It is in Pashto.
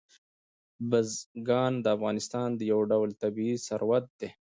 بزګان د افغانستان یو ډول طبعي ثروت دی.